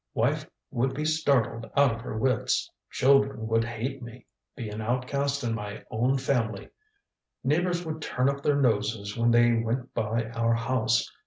Wife would be startled out of her wits. Children would hate me. Be an outcast in my own family. Neighbors would turn up their noses when they went by our house.